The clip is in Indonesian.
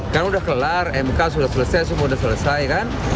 kan udah kelar mk sudah selesai semua sudah selesai kan